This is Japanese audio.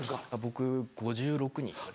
僕５６に。